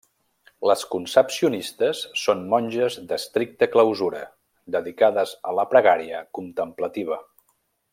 Les concepcionistes són monges d'estricta clausura, dedicades a la pregària contemplativa.